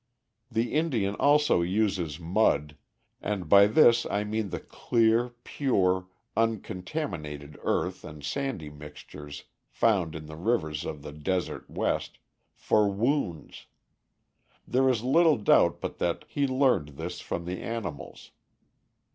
] The Indian also uses mud and by this I mean the clear, pure, uncontaminated earth and sandy mixtures found in the rivers of the desert west for wounds. There is little doubt but that he learned this from the animals.